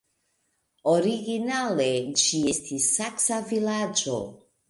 Originale ĝi estis saksa vilaĝo.